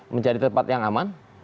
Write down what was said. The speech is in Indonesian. mencari tempat yang aman